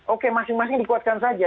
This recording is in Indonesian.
oke masing masing dikuatkan saja